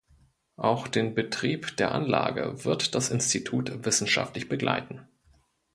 Auch den Betrieb der Anlage wird das Institut wissenschaftlich begleiten.